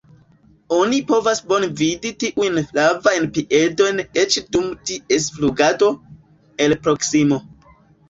Oni povas bone vidi tiujn flavajn piedojn eĉ dum ties flugado, el proksimo.